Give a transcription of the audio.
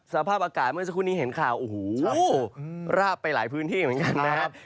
สภาพอากาศเมื่อสักครู่นี้เห็นข่าวโอ้โหราบไปหลายพื้นที่เหมือนกันนะครับ